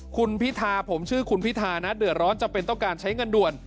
คุณพิธาผมชื่อคุณพิธานะเดือดร้อนจำเป็นต้องการใช้เงินด่วน